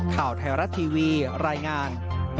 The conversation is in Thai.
ข่าวไทยรัฐทีวีรายงาน